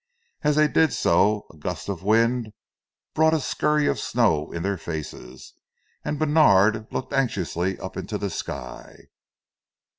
As they did so a gust of wind brought a scurry of snow in their faces, and Bènard looked anxiously up into the sky.